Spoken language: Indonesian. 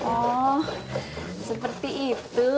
oh seperti itu